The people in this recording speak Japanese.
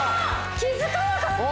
気付かなかった。